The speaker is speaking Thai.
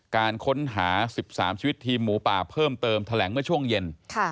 การค้นหา๑๓ชีวิตทีมหมูป่าเพิ่มเติมแถลงเมื่อช่วงเย็น